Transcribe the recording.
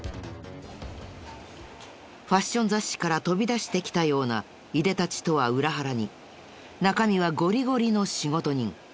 ファッション雑誌から飛び出してきたようないでたちとは裏腹に中身はゴリゴリの仕事人。